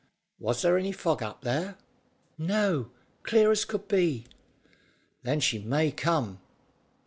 "Was there any fog up there?" "No; clear as could be." "Then she may come.